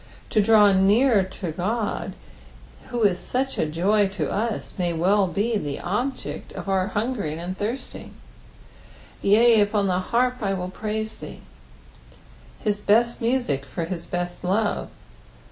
To draw near to Qod, who is such a joy to us, may well be the object of our buneering ftnd thirsting. 'Tai, tipon tha harp will I praiie thee." His beet music for his best love.